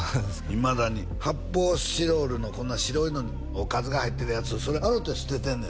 いまだに発泡スチロールのこんな白いのおかずが入ってるやつを洗うて捨ててんね